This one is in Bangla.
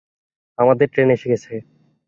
আমাদের ট্রেন এসে গেছে।